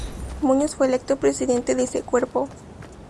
Muñoz fue electo Presidente de ese cuerpo.